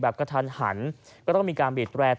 แบบกระทันหันมีการบีดแรก